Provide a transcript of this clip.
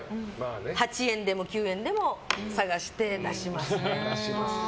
８円でも９円でも探して出しますね。